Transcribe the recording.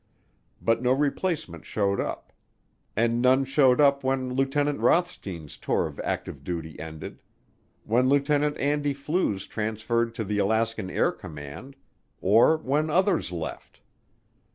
But no replacement showed up. And none showed up when Lieutenant Rothstien's tour of active duty ended, when Lieutenant Andy Flues transferred to the Alaskan Air Command, or when others left.